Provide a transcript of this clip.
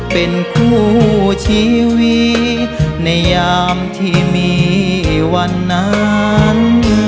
เป็นคู่ชีวิตในยามที่มีวันนั้น